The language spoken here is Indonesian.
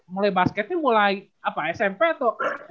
mulai basketnya mulai smp atau